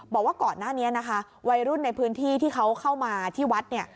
บอกว่าก่อนหน้านี้นะคะวัยรุ่นในพื้นที่ที่เขาเข้ามาที่วัดเนี่ย